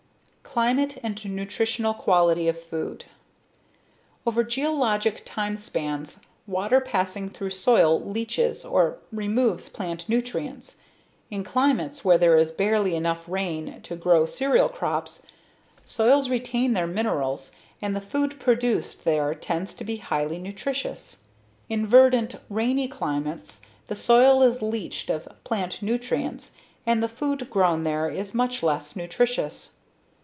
Climate and the Nutritional Quality of Food Over geologic time spans, water passing through soil leaches or removes plant nutrients. In climates where there is barely enough rain to grow cereal crops, soils retain their minerals and the food produced there tends to be highly nutritious. In verdant, rainy climates the soil is leached of plant nutrients and the food grown there is much less nutritious.